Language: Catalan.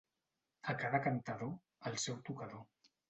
A cada cantador, el seu tocador.